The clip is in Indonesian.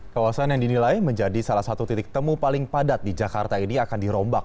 kawasan yang dinilai menjadi salah satu titik temu paling padat di jakarta ini akan dirombak